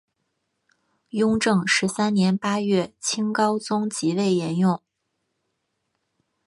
雍正十三年八月清高宗即位沿用。